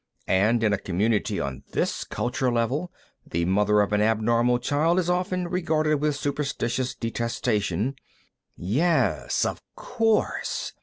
And in a community on this culture level, the mother of an abnormal child is often regarded with superstitious detestation " "Yes, of course!"